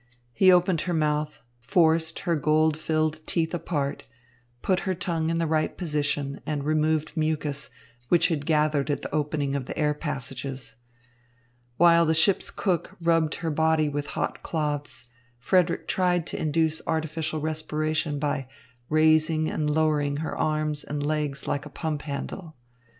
He opened her mouth, forced her gold filled teeth apart, put her tongue in the right position, and removed mucus, which had gathered at the opening of the air passages. While the ship's cook rubbed her body with hot cloths, Frederick tried to induce artificial respiration by raising and lowering her arms and legs like a pump handle.